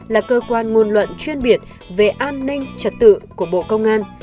là cơ quan ngôn luận chuyên biệt về an ninh trật tự của bộ công an